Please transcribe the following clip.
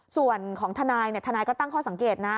ส่วนของทนายทนายก็ตั้งข้อสังเกตนะ